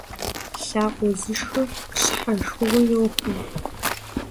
Лъакъуэ зышхыр щхьэ шхыгъуи йохуэ.